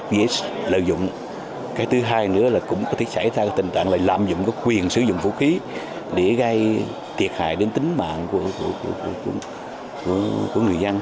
dễ lợi dụng cái thứ hai nữa là cũng có thể xảy ra tình trạng là lạm dụng quyền sử dụng vũ khí để gây thiệt hại đến tính mạng của người dân